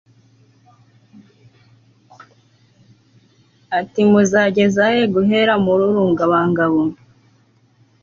ati Muzageza he guhera mu rungabangabo